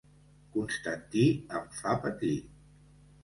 Constantí em fa patir.